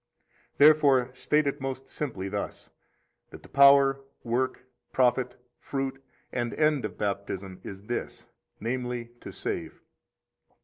24 Therefore state it most simply thus, that the power, work, profit, fruit, and end of Baptism is this, namely, to save.